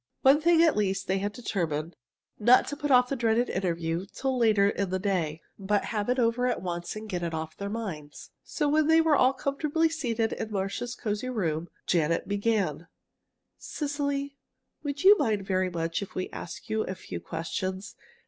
One thing at least, they had determined, not to put off the dreaded interview till later in the day, but have it over at once and get it off their minds. So when they were all comfortably seated in Marcia's cozy room, Janet began: "Cecily, would you mind very much if we asked you a few questions?